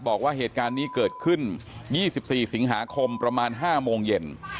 บอกว่าเหตุการณ์นี้เกิดขึ้น๒๔สิงหาคมประมาณ๕โมงเย็น